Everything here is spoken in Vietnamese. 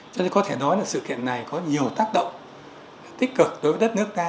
cho nên có thể nói là sự kiện này có nhiều tác động tích cực đối với đất nước ta